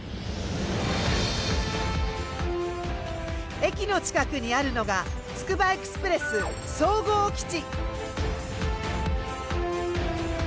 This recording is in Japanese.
駅の近くにあるのがつくばエクスプレス総合基地。